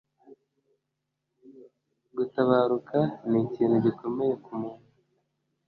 gutabaruka ni ikintu igikome ku muntu